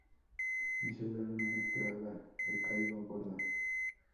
Mi suegra no me traga, le caigo gordo